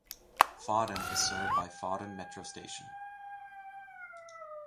Fawdon is served by Fawdon Metro station.